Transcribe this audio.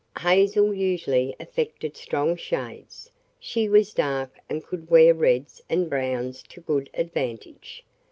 Hazel usually affected strong shades she was dark and could wear reds and browns to good advantage.